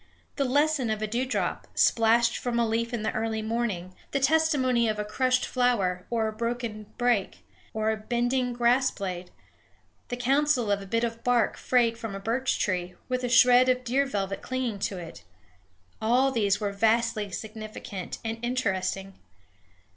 The lesson of a dewdrop, splashed from a leaf in the early morning; the testimony of a crushed flower, or a broken brake, or a bending grass blade; the counsel of a bit of bark frayed from a birch tree, with a shred of deer velvet clinging to it, all these were vastly significant and interesting.